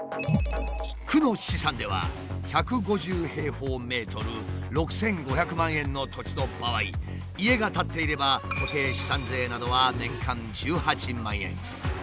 区の試算では１５０平方メートル６，５００万円の土地の場合家が立っていれば固定資産税などは年間１８万円。